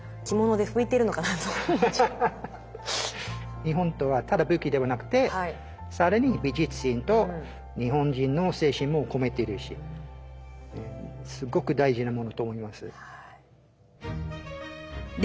日本刀はただ武器ではなくてさらに美術品と日本人の精神も込めてるしすっごく大事なものと思います。